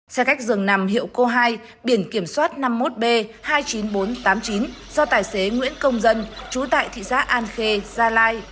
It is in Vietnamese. xe khách dường nằm hiệu cô hai biển kiểm soát năm mươi một b hai mươi chín nghìn bốn trăm tám mươi chín do tài xế nguyễn công dân trú tại thị xã an khê gia lai